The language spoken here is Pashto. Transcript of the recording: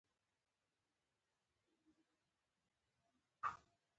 ادبیات دټولني هنداره ده.